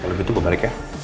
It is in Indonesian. kalau gitu gue balik ya